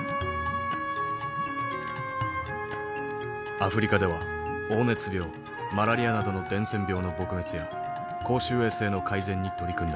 アフリカでは黄熱病マラリアなどの伝染病の撲滅や公衆衛生の改善に取り組んだ。